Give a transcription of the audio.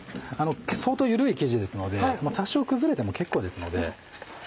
相当緩い生地ですので多少崩れても結構ですので。